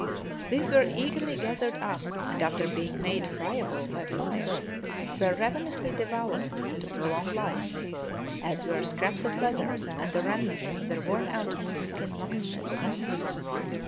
These were eagerly gathered up, and after being made friable by fire were ravenously devoured to prolong life, as were scraps of leather and the rem nants of their worn out moose skin moccasins.